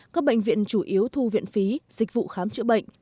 các bệnh viện chủ yếu thu viện phí dịch vụ khám chữa bệnh